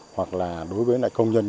hoặc là đối với công nhân